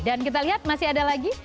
dan kita lihat masih ada lagi